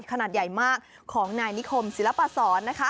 ขนาดใหญ่มากของนายนิคมศิลปศรนะคะ